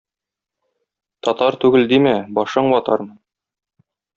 Татар түгел димә - башың ватармын!